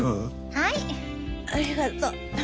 はい。ありがと。